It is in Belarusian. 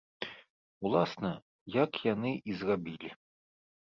Уласна, як яны і зрабілі.